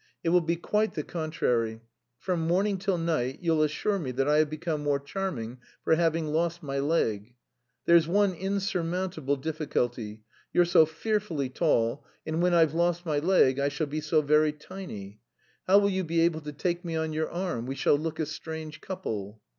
It will be quite the contrary; from morning till night you'll assure me that I have become more charming for having lost my leg. There's one insurmountable difficulty you're so fearfully tall, and when I've lost my leg I shall be so very tiny. How will you be able to take me on your arm; we shall look a strange couple!"